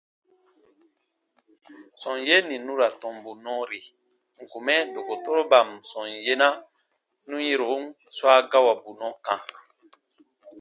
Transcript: Sɔm yee nì nu ra tɔmbu nɔɔri ǹ kun mɛ dokotoroban sɔm yena nù yɛ̃ron swa gawabu nɔɔ kã.